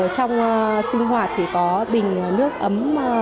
trong sinh hoạt thì có bình nước ấm